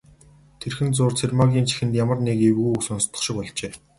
Тэрхэн зуур Цэрэгмаагийн чихэнд ямар нэг эвгүй үг сонстох шиг болжээ.